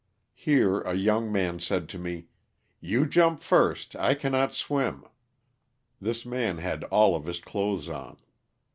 Here a young man said to me, *'you jump first, I cannot swim." This man had all of his clothes on.